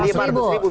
lima ribu masuk